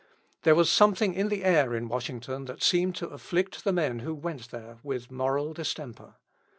There was something in the air in Washington that seemed to afflict the men who went there with moral distemper.